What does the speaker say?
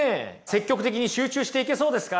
積極的に集中していけそうですか？